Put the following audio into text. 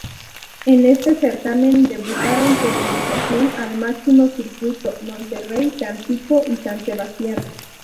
En este certamen debutaron por invitación al máximo circuito: Monterrey, Tampico y San Sebastián.